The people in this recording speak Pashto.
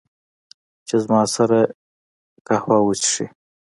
چې، زما سره قهوه وچښي